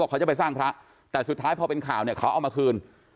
เขาจะไปสร้างพระแต่สุดท้ายพอเป็นข่าวเนี่ยเขาเอามาคืน